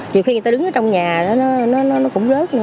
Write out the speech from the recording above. nhiều khi người ta đứng ở trong nhà nó cũng rớt nữa